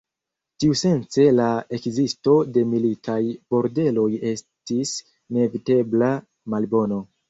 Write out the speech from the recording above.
Tiusence la ekzisto de militaj bordeloj estis neevitebla malbono.